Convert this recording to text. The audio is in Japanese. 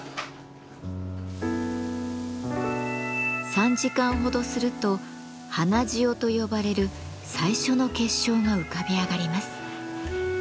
３時間ほどすると花塩と呼ばれる最初の結晶が浮かび上がります。